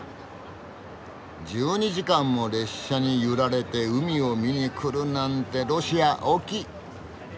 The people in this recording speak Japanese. １２時間も列車に揺られて海を見に来るなんてロシア大きい！